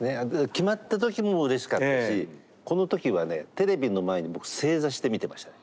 決まった時もうれしかったしこの時はねテレビの前に僕正座して見てましたね。